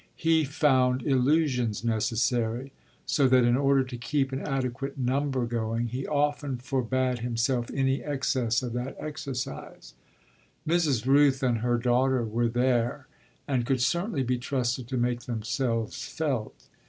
He found illusions necessary, so that in order to keep an adequate number going he often forbade himself any excess of that exercise. Mrs. Rooth and her daughter were there and could certainly be trusted to make themselves felt.